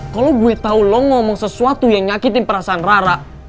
kalau gue tau lo ngomong sesuatu yang nyakitin perasaan rara